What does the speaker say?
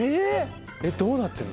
どうなってるの？